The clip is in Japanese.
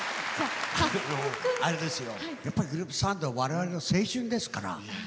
やっぱりグループサウンドわれわれの青春ですから。